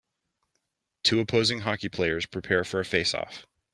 Two opposing hockey players prepare for a face off.